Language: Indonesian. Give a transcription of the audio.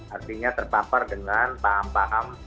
artinya terpapar dengan paham paham